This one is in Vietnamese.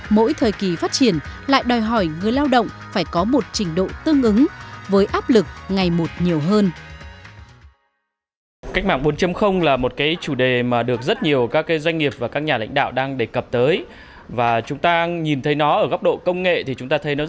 mỗi thời kỳ phát triển lại đòi hỏi người lao động phải có một trình độ tương ứng với áp lực ngày một nhiều hơn